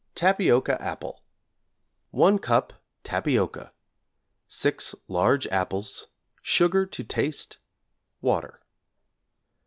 Tapioca Apple= 1 cup tapioca, 6 large apples, sugar to taste, water.